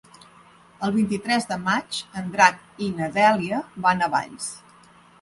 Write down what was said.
El vint-i-tres de maig en Drac i na Dèlia van a Valls.